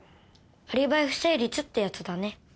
アリバイ不成立ってやつだね。